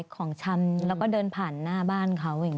ใครในบ้าน